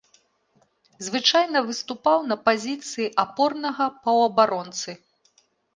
Звычайна выступаў на пазіцыі апорнага паўабаронцы.